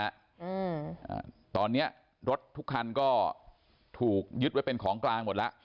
อืมอ่าตอนเนี้ยรถทุกคันก็ถูกยึดไว้เป็นของกลางหมดแล้ว